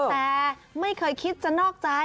แต่ไม่เคยคิดจะนอกใจ